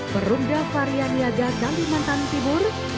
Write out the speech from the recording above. perunda varian niaga kalimantan timur